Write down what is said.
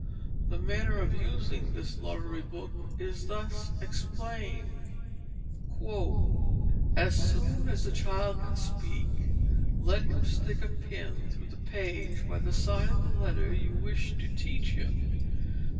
The manner of using this little Lottery Book is thus explained: "As soon as the child can speak let him stick a pin through the page by the side of the letter you wish to teach him.